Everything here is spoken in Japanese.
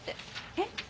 えっ？